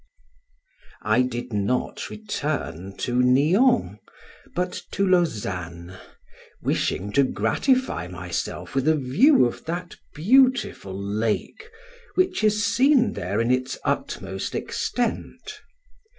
I did not return to Nion, but to Lausanne, wishing to gratify myself with a view of that beautiful lake which is seen there in its utmost extent.